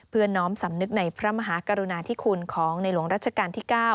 น้อมสำนึกในพระมหากรุณาธิคุณของในหลวงรัชกาลที่๙